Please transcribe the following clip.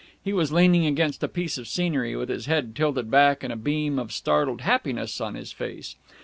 He was leaning against a piece of scenery with his head tilted back and a beam of startled happiness on his face.